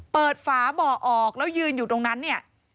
ฝาบ่อออกแล้วยืนอยู่ตรงนั้นเนี่ย